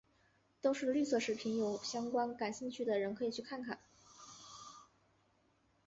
都是绿色食品有相关感兴趣的人可以去看看。